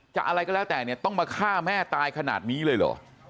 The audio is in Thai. อะไรก็แล้วแต่เนี่ยต้องมาฆ่าแม่ตายขนาดนี้เลยเหรอ